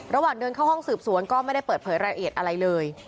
ระหว่างเดินเข้าห้องสืบสวนก็ไม่ได้เปิดเผยรายละเอียดอะไรเลย